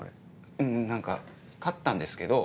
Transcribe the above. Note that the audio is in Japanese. うん何か勝ったんですけど。